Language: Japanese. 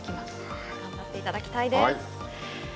頑張っていただきたいです。